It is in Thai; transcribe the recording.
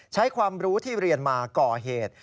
ใช้ความรู้ที่เรียนมาก่อเหตุ